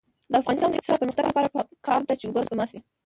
د افغانستان د اقتصادي پرمختګ لپاره پکار ده چې اوبه سپما شي.